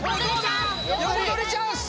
横取りチャンス！